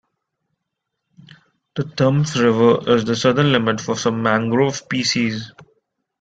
The Tumbes River is the southern limit for some mangrove species.